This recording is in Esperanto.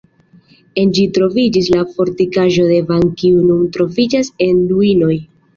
En ĝi troviĝis la fortikaĵo de Van kiu nun troviĝas en ruinoj.